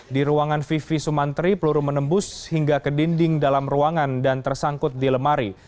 di ruangan vivi sumantri peluru menembus hingga ke dinding dalam ruangan dan tersangkut di lemari